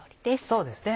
そうですね